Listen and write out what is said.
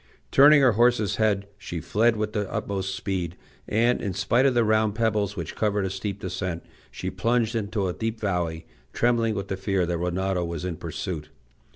Turning her horse's head, she fled with the utmost speed; and, in spite of the round pebbles which covered a steep descent, she plunged into a deep valley, trembling with the fear that Rinaldo was in pursuit.